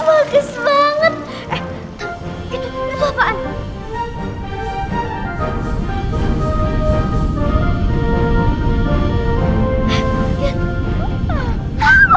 main yalan yang lain aja